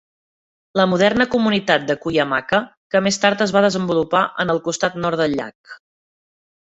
La moderna comunitat de Cuyamaca, que més tard es va desenvolupar en el costat nord del llac.